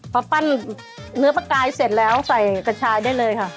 พอปั้นเนื้อปลากายเสร็จแล้วใส่กระชายได้เลยค่ะ